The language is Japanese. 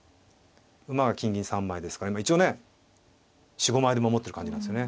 「馬は金銀３枚」ですから一応ね４５枚で守ってる感じなんですよね。